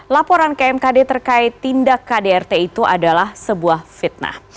laporan ke mkd terkait tindak kdrt itu adalah sebuah fitnah